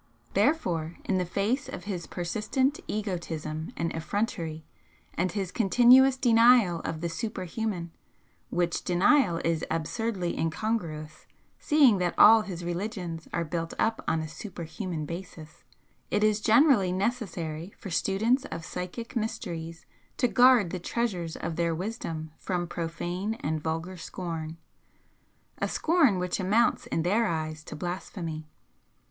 Therefore, in the face of his persistent egotism and effrontery, and his continuous denial of the 'superhuman' (which denial is absurdly incongruous seeing that all his religions are built up on a 'superhuman' basis), it is generally necessary for students of psychic mysteries to guard the treasures of their wisdom from profane and vulgar scorn, a scorn which amounts in their eyes to blasphemy.